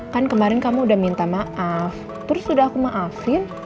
kan kemarin kamu udah minta maaf terus sudah aku maafin